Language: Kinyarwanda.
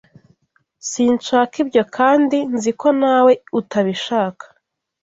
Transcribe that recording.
Sinshaka ibyo kandi nzi ko nawe utabishaka